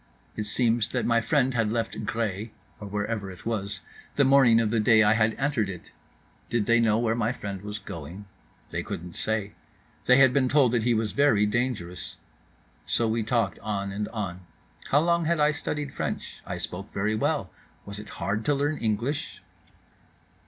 —It seems that my friend had left Gré (or whatever it was) the morning of the day I had entered it.—Did they know where my friend was going?—They couldn't say. They had been told that he was very dangerous.—So we talked on and on: How long had I studied French? I spoke very well. Was it hard to learn English?